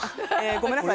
ごめんなさい